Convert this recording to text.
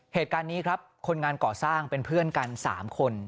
เหตุการณ์นี้ครับคนงานก่อสร้างเป็นเพื่อนกัน๓คน